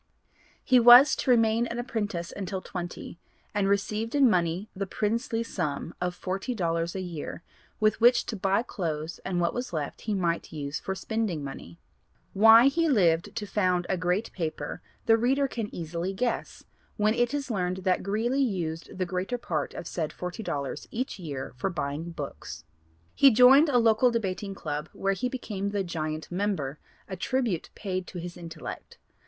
He was to remain an apprentice until twenty, and received in money the princely sum of forty dollars a year 'with which to buy clothes and what was left he might use for spending money.' Why he lived to found a great paper the reader can easily guess, when it is learned that Greeley used the greater part of said forty dollars each year for buying books. He joined a local debating club where he became the 'giant' member, a tribute paid to his intellect.